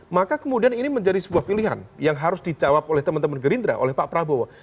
maka kemudian ini menjadi sebuah pilihan yang harus dijawab oleh teman teman gerindra oleh pak prabowo